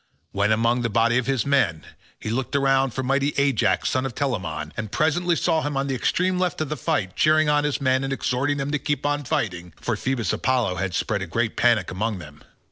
When among the body of his men, he looked around for mighty Ajax son of Telamon, and presently saw him on the extreme left of the fight, cheering on his men and exhorting them to keep on fighting, for Phoebus Apollo had spread a great panic among them.